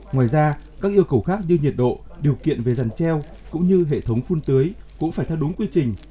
ngoài ra các yêu cầu khác như nhiệt độ điều kiện về dàn treo cũng như hệ thống phun tưới cũng phải theo đúng quy trình